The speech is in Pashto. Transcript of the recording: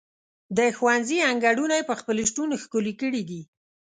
د ښوونځي انګړونه یې په خپل شتون ښکلي کړي دي.